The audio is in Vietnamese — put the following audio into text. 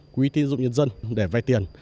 quý tín dụng nhân dân để vai tiền